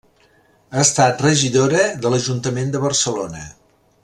Ha estat regidora de l'Ajuntament de Barcelona.